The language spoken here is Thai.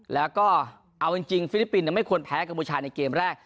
แล้วก็เอาจริงฟิลิปปินส์ไม่ควรแพ้กัมพูชาในเกมแรก